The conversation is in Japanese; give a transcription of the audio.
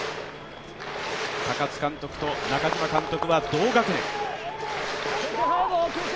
高津監督と中嶋監督は同学年。